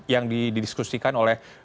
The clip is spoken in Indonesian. yang didiskusikan oleh